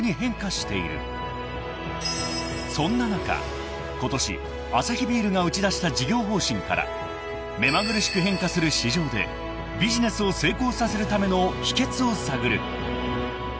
［そんな中ことしアサヒビールが打ち出した事業方針から目まぐるしく変化する市場でビジネスを成功させるための秘訣を探る］